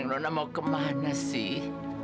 neng nona mau kemana sih